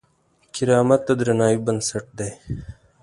کرامت د درناوي بنسټ دی.